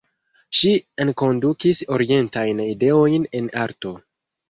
Ŝi enkondukis orientajn ideojn en arto.